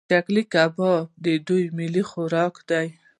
چلو کباب د دوی ملي خواړه دي.